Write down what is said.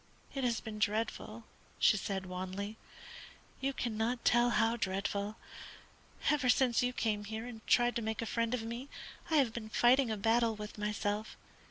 It has been dreadful," she said, wanly. "You cannot tell how dreadful. Ever since you came here and tried to make a friend of me, I have been fighting a battle with myself.